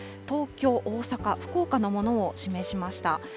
東京、大阪、福岡のものを示しました。